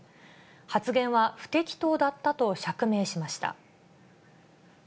発言は不適当だったと釈明しました。